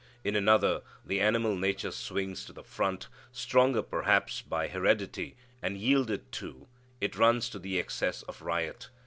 In another, the animal nature swings to the front, stronger perhaps by heredity, and, yielded to, it runs to the excess of riot.